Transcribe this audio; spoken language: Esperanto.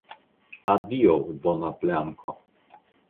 Adiaŭ, bona planko!